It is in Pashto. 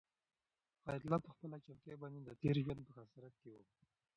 حیات الله په خپله چوکۍ باندې د تېر ژوند په حسرت کې و.